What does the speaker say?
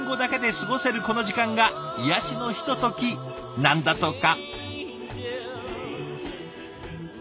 この時間が癒やしのひとときなんだとか。